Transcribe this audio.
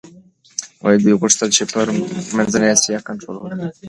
دوی غوښتل چي پر منځنۍ اسیا کنټرول ولري.